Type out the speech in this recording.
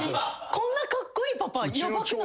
こんなカッコイイパパヤバくないですか。